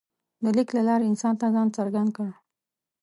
د لیک له لارې انسان ځان څرګند کړ.